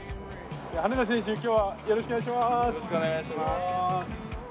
羽根田選手、今日はよろしくお願いします。